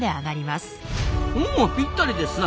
おぴったりですな。